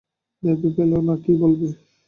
ভেবে পেলে না কী বলবে।